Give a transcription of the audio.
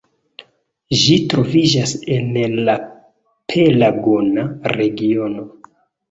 Ĝi troviĝas en la Pelagona regiono.